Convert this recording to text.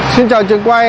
xin chào trường quay